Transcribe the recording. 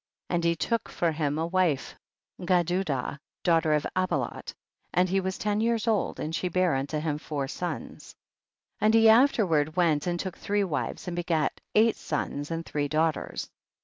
55. And he took for him a wife Gedudah daughter of Abilot, and he was ten years old, and she bare unto him four sons. 56. And he afterward went and took three wives and begat eight sons and three daughters.